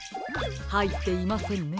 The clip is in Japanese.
はいっていませんね。